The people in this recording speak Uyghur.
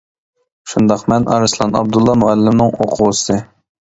شۇنداق مەن ئارسلان ئابدۇللا مۇئەللىمنىڭ ئوقۇغۇچىسى.